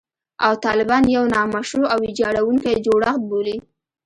او طالبان یو «نامشروع او ویجاړوونکی جوړښت» بولي